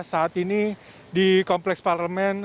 saat ini di kompleks parlemen